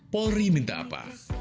polri minta apa